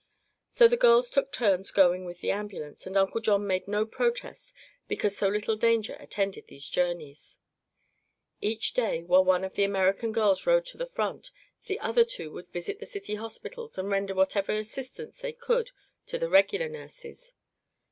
So the girls took turns going with the ambulance, and Uncle John made no protest because so little danger attended these journeys. Each day, while one of the American girls rode to the front, the other two would visit the city hospitals and render whatever assistance they could to the regular nurses.